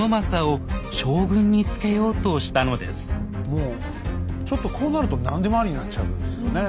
もうちょっとこうなると何でもありになっちゃうね。